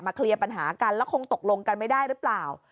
เคลียร์ปัญหากันแล้วคงตกลงกันไม่ได้หรือเปล่า